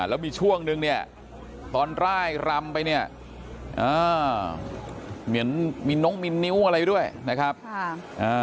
แล้วมีช่วงนึงเนี่ยตอนร่ายรำไปเนี่ยอ่าเหมือนมีน้องมีนิ้วอะไรด้วยนะครับค่ะอ่า